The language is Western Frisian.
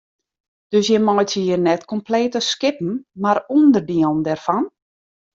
Dus jim meitsje hjir net komplete skippen mar ûnderdielen dêrfan?